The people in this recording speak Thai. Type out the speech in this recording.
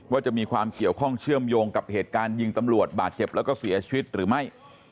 ว่าจะมีความเกี่ยวข้องเชื่อมโยงกับเหตุการณ์ยิงตำรวจบาดเจ็บแล้วก็เสียชีวิตหรือไม่